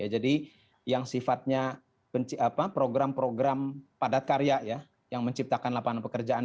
jadi yang sifatnya program program padat karya yang menciptakan lapangan pekerjaan